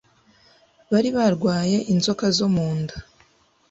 bari barwaye inzoka zo mu nda